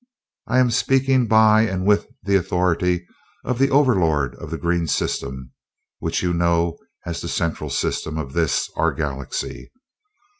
I am speaking by and with the authority of the Overlord of the Green System, which you know as the Central System of this, our Galaxy.